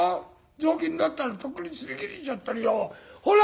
雑巾だったらとっくにすり切れちゃってるよ。ほら！」。